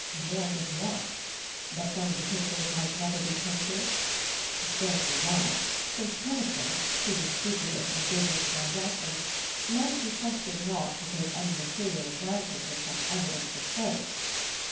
Warned of what? That some of the pictures might never be painted? Scarcely that, since Keniston, who was scrupulous in business transactions, might be trusted not to take any material advantage of such evidence of faith.